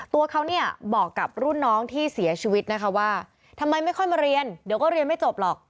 ตัวเขาเนี่ยบอกกับรุ่นน้องที่เสียชีวิตนะคะว่าทำไมไม่ค่อยมาเรียนเดี๋ยวก็เรียนไม่จบหรอก